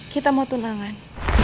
kita mau tunangan